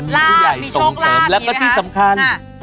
มีผู้ใหญ่ส่งเสริมแล้วก็ที่สำคัญ